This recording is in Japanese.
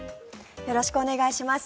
よろしくお願いします。